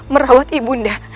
merawat ibu undang